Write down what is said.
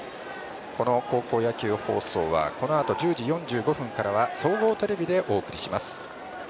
この高校野球放送はこのあと１０時４５分からは総合テレビでお送りします。